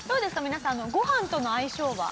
皆さんごはんとの相性は。